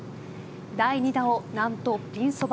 第２打を、何とピンそば